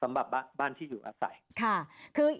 สำหรับบ้านที่อยู่อาศัย